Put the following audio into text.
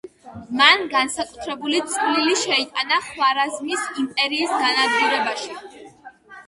მან განსაკუთრებული წვლილი შეიტანა ხვარაზმის იმპერიის განადგურებაში.